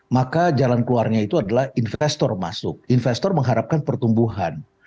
maka jalan keluarnya itu adalah investor masuk investor mengharapkan pertumbuhan